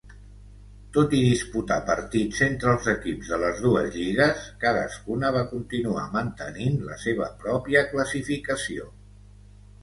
Tot i disputar partits entre els equips de les dues lligues, cadascuna va continuar mantenint la seva pròpia classificació.